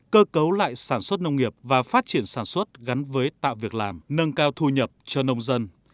cơ cấu lại sản xuất nông nghiệp và phát triển sản xuất gắn với tạo việc làm nâng cao thu nhập cho nông dân